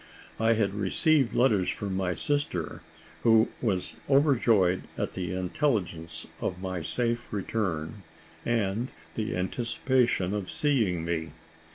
I had received letters from my sister, who was overjoyed at the intelligence of my safe return, and the anticipation of seeing me.